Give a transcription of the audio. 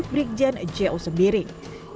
brigjen j o sembiring